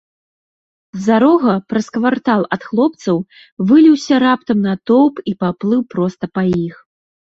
З-за рога, праз квартал ад хлопцаў, выліўся раптам натоўп і паплыў проста па іх.